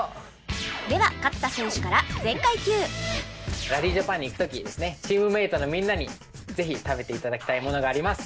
では勝田選手からラリージャパンに行く時にですねチームメイトのみんなにぜひ食べて頂きたいものがあります。